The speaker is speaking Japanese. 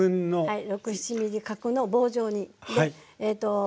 はい。